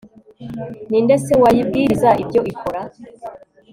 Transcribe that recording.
ni nde se wayibwiriza ibyo ikora